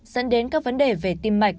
dẫn đến các vấn đề về tim mạch